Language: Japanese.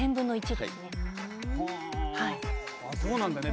あそうなんだね